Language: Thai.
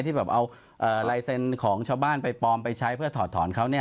ที่แบบเอาลายเซ็นต์ของชาวบ้านไปปลอมไปใช้เพื่อถอดถอนเขา